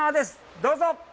どうぞ！